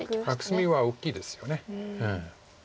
隅は大きいですよね。